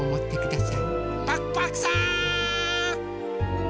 パクパクさん！